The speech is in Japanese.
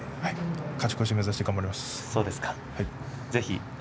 勝ち越し目指して頑張ります。